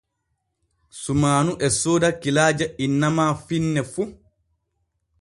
Sumaanu e sooda kilaaje inna ma finne fu.